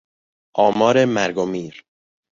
آمار مرگ و میر